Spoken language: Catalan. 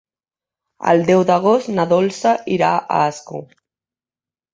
El deu d'agost na Dolça irà a Ascó.